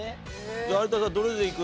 じゃあ有田さんどれでいく？